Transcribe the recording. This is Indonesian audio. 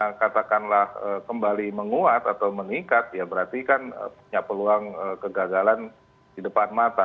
karena katakanlah kembali menguat atau meningkat ya berarti kan punya peluang kegagalan di depan mata